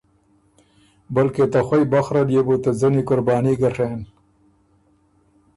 بلکې ته خوئ بخره ليې بُو ته ځنی قرباني ګۀ ڒېن۔